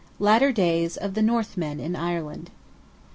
LATTER DAYS OF THE NORTHMEN IN IRELAND.